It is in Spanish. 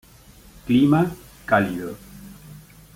Clima: Cálido.